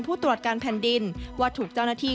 ผู้ตรวจการแผ่นดินว่าถูกเจ้าหน้าที่